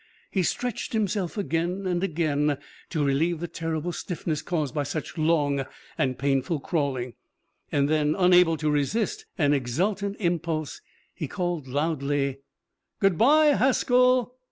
He stretched himself again and again to relieve the terrible stiffness caused by such long and painful crawling, and then, unable to resist an exultant impulse, he called loudly: "Good by, Haskell!"